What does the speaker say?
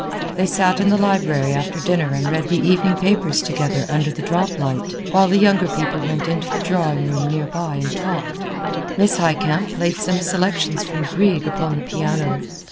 They sat in the library after dinner and read the evening papers together under the droplight; while the younger people went into the drawing room near by and talked. Miss Highcamp played some selections from Grieg upon the piano.